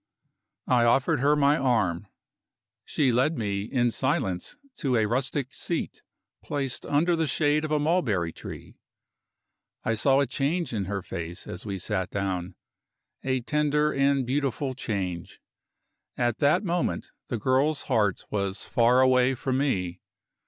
I offered her my arm. She led me in silence to a rustic seat, placed under the shade of a mulberry tree. I saw a change in her face as we sat down a tender and beautiful change. At that moment the girl's heart was far away from me.